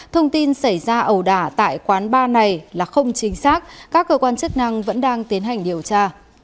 thông tin xảy ra ẩu đả tại quán bar này là không chính xác các cơ quan chức năng vẫn đang tiến hành điều tra